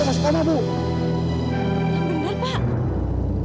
yang masih koma dirawat ke rumah sakit minta sehat